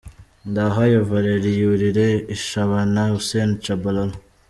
Ndahayo Valerie yurira Shabana Hussein Tchabalala.